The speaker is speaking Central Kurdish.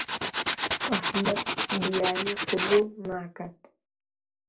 ئەحمەد دیاری قبوڵ ناکات.